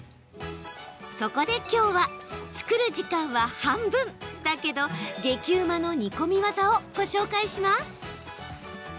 そこできょうは、作る時間は半分だけど激うまの煮込み技をご紹介します。